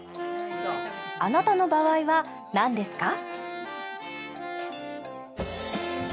あなたの場合は何ですか？